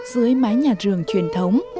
dưới mái nhà rường truyền thống